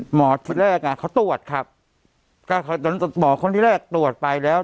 หมอที่แรกอ่ะเขาตรวจครับก็จนหมอคนที่แรกตรวจไปแล้ว